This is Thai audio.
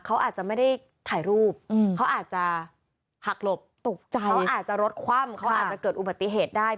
เขาอาจจะไม่ได้ถ่ายรูปเขาอาจจะหักหลบตกใจเขาอาจจะรถคว่ำเขาอาจจะเกิดอุบัติเหตุได้